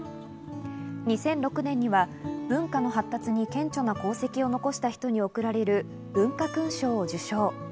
２００６年には文化の発達に顕著な功績を残した人に贈られる文化勲章を受章。